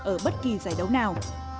ở bất kỳ giải đấu nào